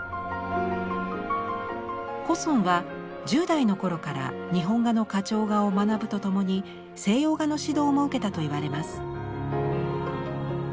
古は１０代の頃から日本画の花鳥画を学ぶとともに西洋画の指導も受けたといわれます。